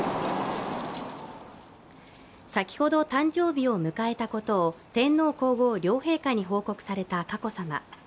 先ほど誕生日を迎えたことを天皇皇后両陛下に報告された佳子さま。